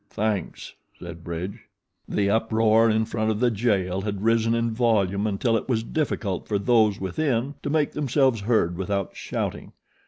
"Thanks," said Bridge. The uproar in front of the jail had risen in volume until it was difficult for those within to make themselves heard without shouting.